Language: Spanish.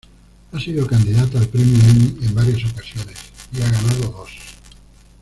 Ha sido candidata al premio Emmy en varias ocasiones, y ha ganado dos.